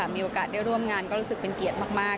มีโอกาสได้ร่วมงานก็รู้สึกเป็นเกียรติมาก